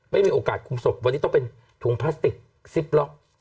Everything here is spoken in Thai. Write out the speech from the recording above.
ไม่มีโอกาสคุมศพวันนี้ต้องเป็นถุงพลาสติกซิปล็อก